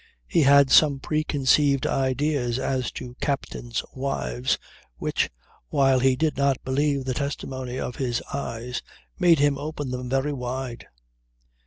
He had some preconceived ideas as to captain's wives which, while he did not believe the testimony of his eyes, made him open them very wide.